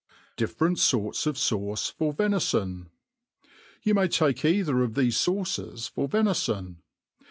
^* 'Different fgrfs of Sauce for Venifon^ YOU may take either of thefe fauces for venifon.